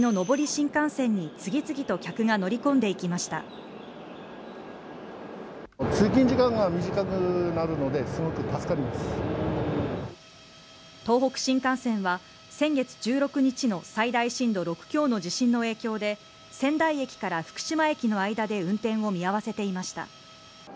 新幹線に次々と客が乗り込んでいきました東北新幹線は先月１６日の最大震度６強の地震の影響で仙台駅から福島駅の間で運転を見合わせていました